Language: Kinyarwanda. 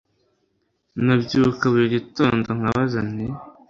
nabyuka buri gitondo nkabaza nti